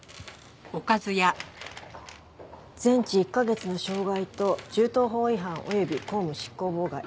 全治１カ月の傷害と銃刀法違反及び公務執行妨害。